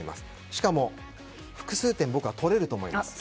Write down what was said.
しかも、複数点僕は取れると思います。